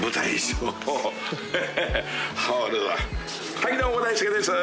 はいどうも大助です。